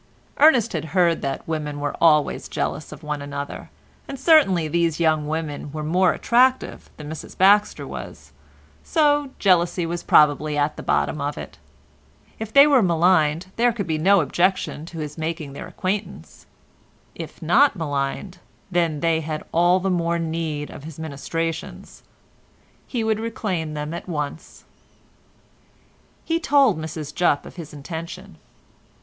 Ernest had heard that women were always jealous of one another, and certainly these young women were more attractive than Mrs Baxter was, so jealousy was probably at the bottom of it. If they were maligned there could be no objection to his making their acquaintance; if not maligned they had all the more need of his ministrations. He would reclaim them at once. He told Mrs Jupp of his intention.